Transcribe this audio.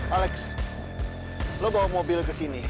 alex lo bawa mobil ke sini